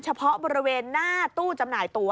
เฉพาะบริเวณหน้าตู้จำหน่ายตัว